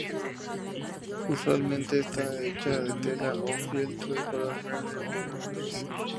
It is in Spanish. Usualmente está hecha de tela o fieltro de color verde, negro o gris.